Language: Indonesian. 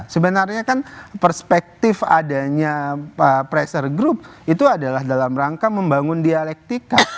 sebenarnya kan perspektif adanya pressure group itu adalah dalam rangka membangun dialektika